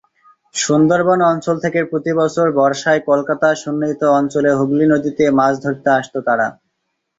সুন্দরবন অঞ্চল থেকে প্রতি বছর বর্ষায় কলকাতা-সন্নিহিত অঞ্চলে হুগলি নদীতে মাছ ধরতে আসত তারা।